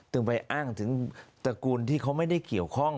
ไปอ้างถึงตระกูลที่เขาไม่ได้เกี่ยวข้อง